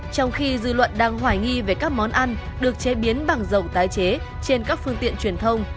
trong khi dư luận đang hoài nghi về các món ăn được chế biến bằng dầu tái chế trên các phương tiện truyền thông